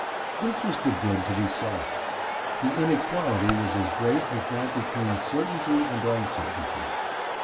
This was the good to be sought. The inequality was as great as that between certainty and uncertainty.